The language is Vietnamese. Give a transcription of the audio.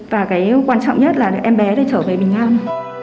và cái quan trọng nhất là em bé để trở về bình an